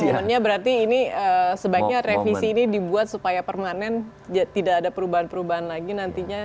momennya berarti ini sebaiknya revisi ini dibuat supaya permanen tidak ada perubahan perubahan lagi nantinya